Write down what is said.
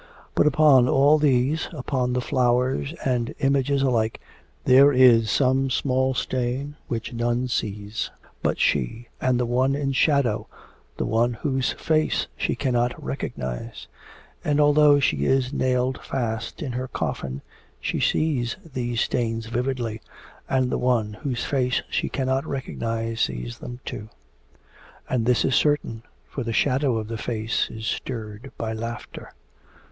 But upon all these, upon the flowers and images alike, there is some small stain which none sees but she and the one in shadow, the one whose face she cannot recognise. And although she is nailed fast in her coffin, she sees these stains vividly, and the one whose face she cannot recognise sees them too. And this is certain, for the shadow of the face is stirred by laughter.